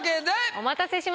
お待たせしました。